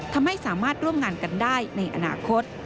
ทำให้สามารถร่วมงานกันได้ในอนาคต